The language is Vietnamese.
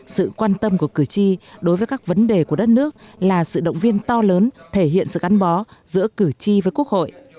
sự quan tâm của cử tri đối với các vấn đề của đất nước là sự động viên to lớn thể hiện sự gắn bó giữa cử tri với quốc hội